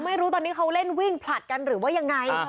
ไม่รู้ตอนนี้เขาเล่นวิ่งผลัดกันหรือว่ายังไง